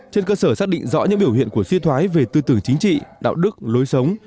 trên cơ sở xác định rõ những biểu hiện của suy thoái về tư tưởng chính trị đạo đức lối sống